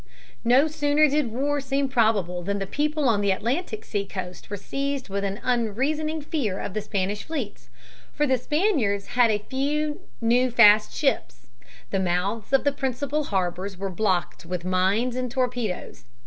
No sooner did war seem probable than the people on the Atlantic seacoast were seized with an unreasoning fear of the Spanish fleets. For the Spaniards had a few new fast ships. The mouths of the principal harbors were blocked with mines and torpedoes.